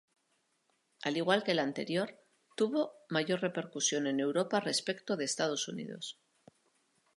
Al igual que el anterior, tuvo mayor repercusión en Europa respecto de Estados Unidos.